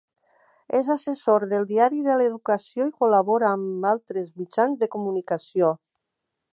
És assessor del Diari de l'Educació i col·labora amb altres mitjans de comunicació.